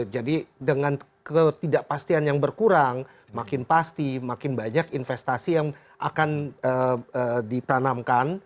jadi dengan ketidakpastian yang berkurang makin pasti makin banyak investasi yang akan ditanamkan